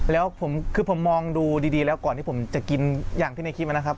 แล้วผมคือผมมองดูดีแล้วก่อนที่ผมจะกินอย่างที่ในคลิปนะครับ